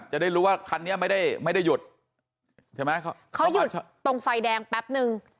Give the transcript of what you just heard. จะได้รู้ว่าคันนี้ไม่ได้ไม่ได้หยุดใช่ไหมเขาหยุดตรงไฟแดงแป๊บนึง